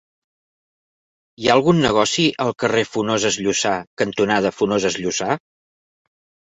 Hi ha algun negoci al carrer Funoses Llussà cantonada Funoses Llussà?